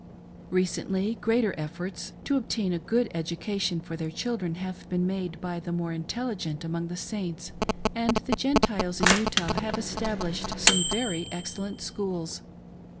Recently greater efforts to obtain a good education for their children have been made by the more intelligent among the Saints, and the Gentiles in Utah have established some very excellent schools.